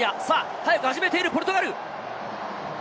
早く始めているポルトガル。